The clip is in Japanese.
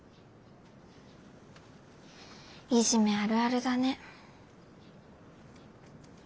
いじめあるあるだね。